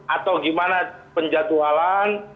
atau gimana penjatualan